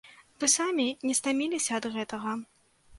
Вы самі не стаміліся ад гэтага?